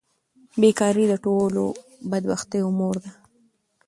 بیکاري د ټولو بدبختیو مور ده.